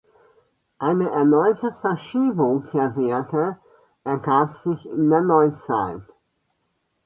Eine erneute Verschiebung der Werte ergab sich in der Neuzeit.